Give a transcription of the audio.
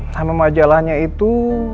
nama majalahnya itu